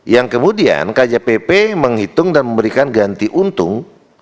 yang kemudian kjpp menghitung dan memberikan ganti untung